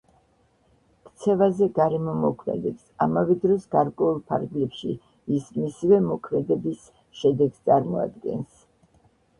ქცევაზე გარემო მოქმედებს, ამავე დროს, გარკვეულ ფარგლებში, ის მისივე მოქმედების შედეგს წარმოადგენს.